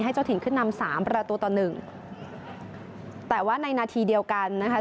เจ้าถิ่นขึ้นนำสามประตูต่อหนึ่งแต่ว่าในนาทีเดียวกันนะคะ